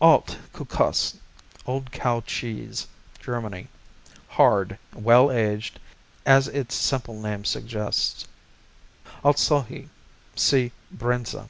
Alt Kuhkäse Old Cow Cheese Germany Hard; well aged, as its simple name suggests. Altsohl see Brinza.